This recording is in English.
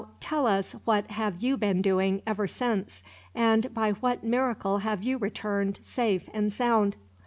"Now, tell us what have you been doing, ever since. And by what miracle have you returned, safe and sound?"